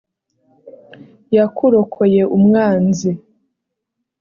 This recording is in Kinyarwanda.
yakurokoye umwanzi